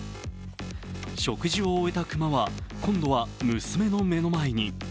食事を終えた熊は今度は娘の目の前に。